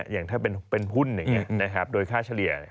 อย่างถ้าเป็นหุ้นอย่างนี้โดยค่าเฉลี่ย